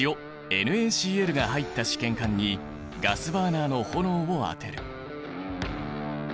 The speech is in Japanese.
ＮａＣｌが入った試験管にガスバーナーの炎を当てる。